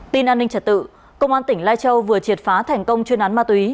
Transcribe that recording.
tin an ninh trật tự công an tỉnh lai châu vừa triệt phá thành công chuyên án ma túy